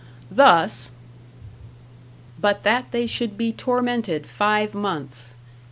Thus: "But that they should be tormented five months."